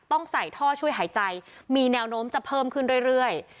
ต้องใส่ท่อช่วยหายใจมีแนวโน้มจะเพิ่มขึ้นเรื่อย